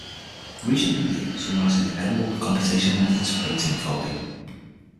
A recent review summarizes the available computational methods for protein folding.